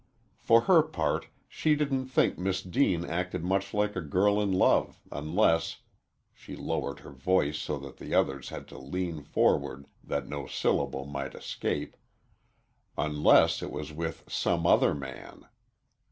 For her part, she didn't think Miss Deane acted much like a girl in love unless she lowered her voice so that the others had to lean forward that no syllable might escape unless it was with some other man.